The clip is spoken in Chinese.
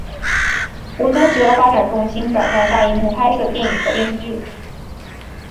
吴尊其后发展重心转战大银幕拍摄电影和电视剧。